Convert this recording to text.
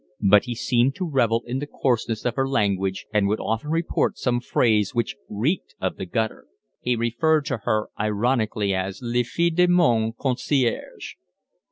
But he seemed to revel in the coarseness of her language and would often report some phrase which reeked of the gutter. He referred to her ironically as la fille de mon concierge.